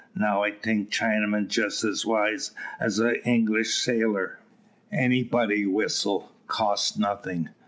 Now, I tink Chinaman just as wise as English sailor. Anybody whistle, cost nothing.